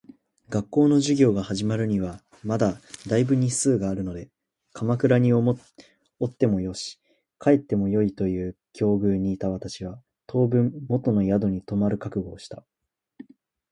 学校の授業が始まるにはまだ大分日数があるので鎌倉におってもよし、帰ってもよいという境遇にいた私は、当分元の宿に留まる覚悟をした。